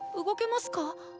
動けますか？